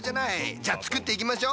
じゃあ作っていきましょ。